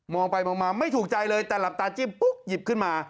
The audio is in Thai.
ไปมองมาไม่ถูกใจเลยแต่หลับตาจิ้มปุ๊บหยิบขึ้นมา